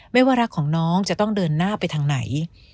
ไม่ว่ารักของน้องจะต้องเดินหน้าไปทางไหน